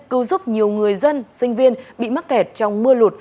cứu giúp nhiều người dân sinh viên bị mắc kẹt trong mưa lụt